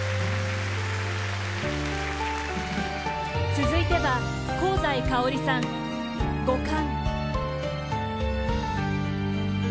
続いては香西かおりさん「五感」。